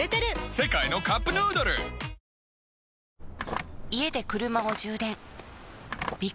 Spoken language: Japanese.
世界のカップヌードルうん？